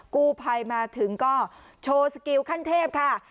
กู้ภัยมาถึงก็โชว์สกิลขั้นเทพค่ะ